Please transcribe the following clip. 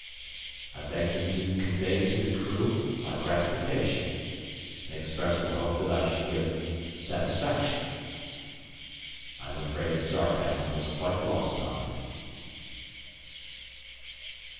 I begged him to convey to the crew my gratification, and expressed the hope that I should give satisfaction. I am afraid the sarcasm was quite lost on them.